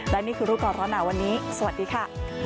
และนี่คือรูปก่อนร้อนหนาวันนี้สวัสดีค่ะ